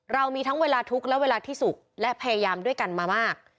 เรามีทั้งเวลาทุกข์และเวลาที่สุขและพยายามด้วยกันมามาก